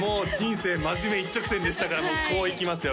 生真面目一直線でしたからもうこう行きますよ